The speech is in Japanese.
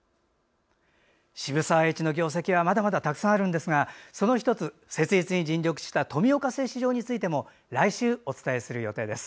渋沢栄一の業績はまだまだたくさんあるんですがその１つ、設立に尽力した富岡製糸場についても来週お伝えする予定です。